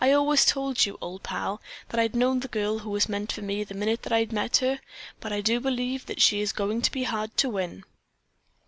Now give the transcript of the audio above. "I always told you, old pal, that I'd know the girl who was meant for me the minute that I met her. But I do believe that she is going to be hard to win."